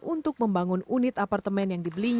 untuk membangun unit apartemen